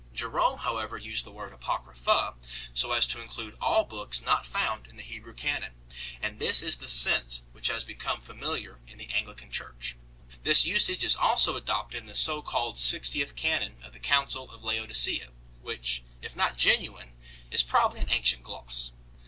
Jerome 2 however used the word "Apocrypha" so as to include all books not found in the Hebrew canon, and this is the sense which has become familiar in the Anglican Church. This usage is also adopted in the so called six tieth canon of the Council of Laodicea 3 , which, if not genuine, is probably an ancient gloss.